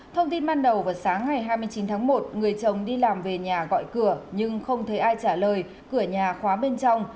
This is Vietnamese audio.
thông tin ban đầu vào sáng ngày hai mươi chín tháng một người chồng đi làm về nhà gọi cửa nhưng không thấy ai trả lời cửa nhà khóa bên trong